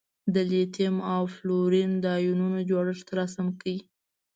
د لیتیم او فلورین د ایونونو جوړښت رسم کړئ.